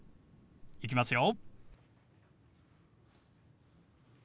いきますよ。